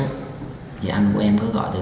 thì anh của em cứ gọi tới sáng